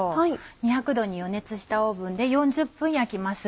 ２００℃に予熱したオーブンで４０分焼きます。